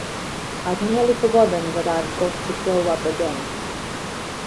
I’d nearly forgotten that I’ve got to grow up again!